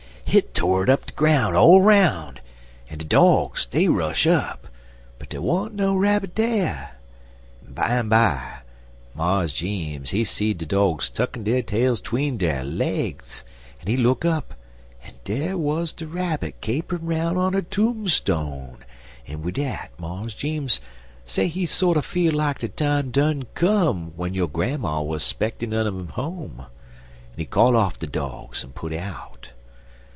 Hit tored up de groun' all 'roun', en de dogs, dey rush up, but dey wa'n't no rabbit dar; but bimeby Mars Jeems, he seed de dogs tuckin' der tails 'tween der legs, en he look up, en dar wuz de rabbit caperin' 'roun' on a toom stone, en wid dat Mars Jeems say he sorter feel like de time done come w'en yo' gran'ma was 'specktin' un him home, en he call off de dogs en put out.